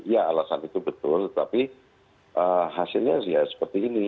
ya alasan itu betul tapi hasilnya seperti ini